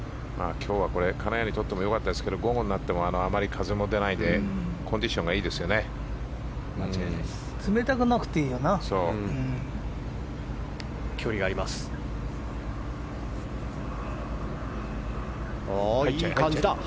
今日は金谷にとっても良かったですけど午後になってもあまり風も出ないでコンディションもいいですね。